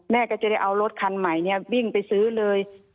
แม่ก็จะได้เอารถคันใหม่เนี่ยวิ่งไปซื้อเลย